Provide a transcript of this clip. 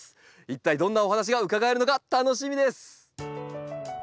一体どんなお話が伺えるのか楽しみです。